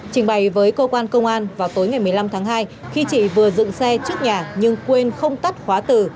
trình bày với cơ quan công an vào tối ngày một mươi năm tháng hai khi chị vừa dựng xe trước nhà nhưng quên không tắt khóa từ